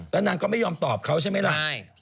แล้วนางก็ไม่ยอมตอบเขาใช่ไหมล่ะ